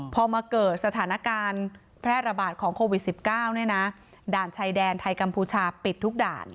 พอมาเกิดสถานการณ์แพร่ระบาดของโควิด๑๙เนี่ยนะด่านชายแดนไทยกัมพูชาปิดทุกด่าน